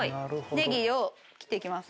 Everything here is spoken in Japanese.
ネギを切っていきます。